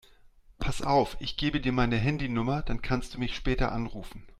Pass auf, ich gebe dir meine Handynummer, dann kannst du mich später anrufen.